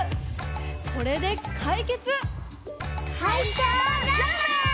これで解決。